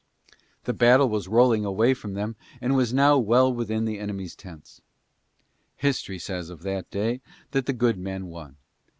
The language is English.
The battle was rolling away from them and was now well within the enemy's tents. History says of that day that the good men won.